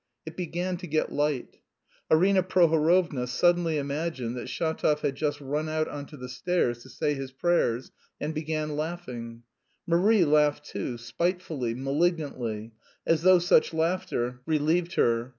It began to get light... Arina Prohorovna suddenly imagined that Shatov had just run out on to the stairs to say his prayers and began laughing. Marie laughed too, spitefully, malignantly, as though such laughter relieved her.